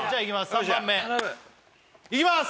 ３番目頼むいきます